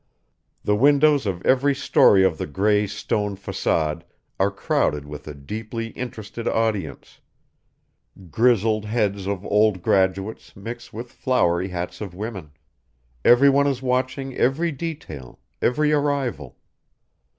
The windows of every story of the gray stone facade are crowded with a deeply interested audience; grizzled heads of old graduates mix with flowery hats of women; every one is watching every detail, every arrival.